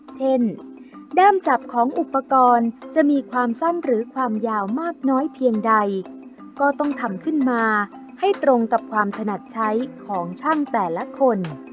เช่นด้ามจับของอุปกรณ์จะมีความสั้นหรือความยาวมากน้อยเพียงใดก็ต้องทำขึ้นมาให้ตรงกับความถนัดใช้ของช่างแต่ละคน